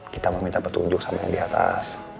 kita meminta petunjuk sama yang diatas